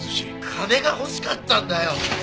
金が欲しかったんだよ！